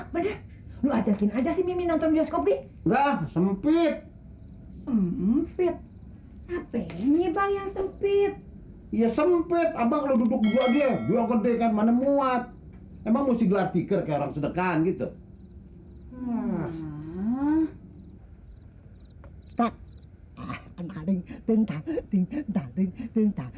bener lu ajakin aja sih mimin nonton bioskopi dah sempit mimpit hp ini bang yang sempit iya